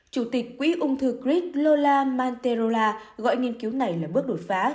chủ tịch quỹ ung thư crick lola manterola gọi nghiên cứu này là bước đột phá